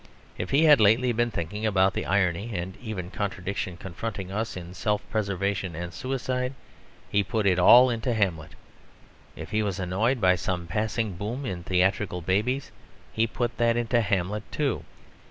If he had lately been thinking about the irony and even contradiction confronting us in self preservation and suicide, he put it all into Hamlet. If he was annoyed by some passing boom in theatrical babies he put that into Hamlet too.